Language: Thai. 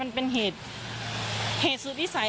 มันเป็นเหตุเหตุสุดที่ใส